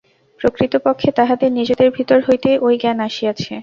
প্রকৃতপক্ষে তাঁহাদের নিজেদের ভিতর হইতেই ঐ জ্ঞান আসিয়াছে।